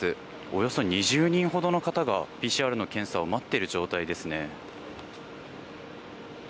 およそ２０人ほどの方がＰＣＲの検査を待っている状態ですね。